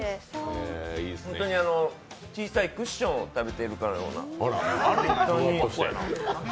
本当に小さいクッションを食べているかのような。